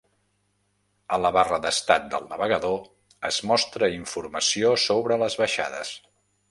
A la barra d'estat del navegador es mostra informació sobre les baixades.